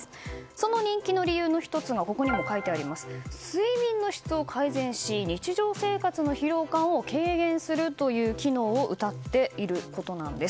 その人気の理由の１つが睡眠の質を改善し日常生活の疲労感を軽減するという機能をうたっていることなんです。